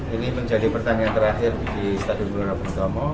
ini menjadi pertandingan terakhir di stadion gelora bung tomo